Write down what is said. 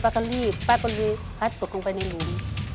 ป้าก็รีบป้าก็รีบป้าก็ตกลงไปในหลุม